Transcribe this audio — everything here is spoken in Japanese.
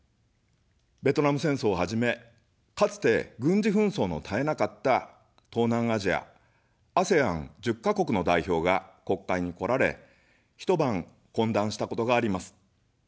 ベトナム戦争をはじめ、かつて、軍事紛争の絶えなかった東南アジアＡＳＥＡＮ１０か国の代表が国会に来られ、一晩懇談したことがあります。